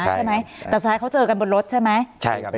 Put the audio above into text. ใช่ไหมแต่สุดท้ายเขาเจอกันบนรถใช่ไหมใช่ครับ